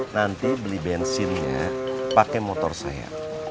nanti beli bensinnya pakai motor saya